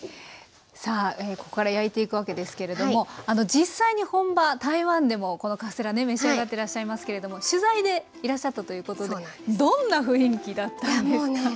さあここから焼いていくわけですけれども実際に本場・台湾でもこのカステラ召し上がっていらっしゃいますけれども取材でいらっしゃったということでどんな雰囲気だったんですか？